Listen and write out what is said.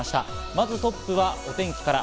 まずトップはお天気から。